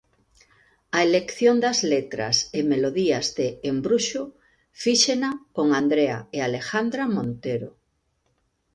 A elección das letras e melodías de Embruxo fíxena con Andrea e Alejandra Montero.